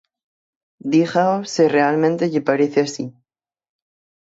Dígao se realmente lle parece así.